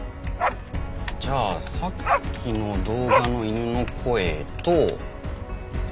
「」じゃあさっきの動画の犬の声と。